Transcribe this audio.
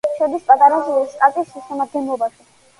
შედის პარას შტატის შემადგენლობაში.